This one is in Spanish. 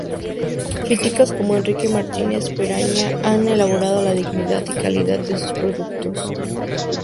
Críticos como Enrique Martínez Peñaranda han alabado la dignidad y calidad de sus productos.